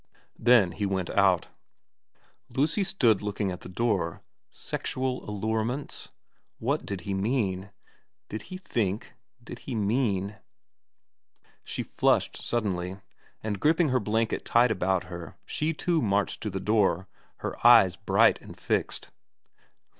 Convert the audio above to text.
Then he went out. Lucy stood looking at the door. Sexual allurements ? What did he mean ? Did he think did he mean She flushed suddenly, and gripping her blanket tight about her she too marched to the door, her eyes bright and fixed.